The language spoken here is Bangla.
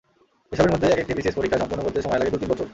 এসবের মধ্যে একেকটি বিসিএস পরীক্ষা সম্পন্ন করতে সময় লাগে দু-তিন বছর।